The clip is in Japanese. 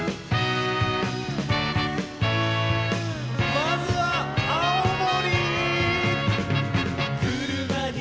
まずは青森！